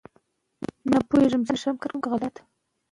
که قاشقه وي نو لاس نه سوځي.